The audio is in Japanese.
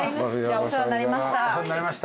お世話になりました。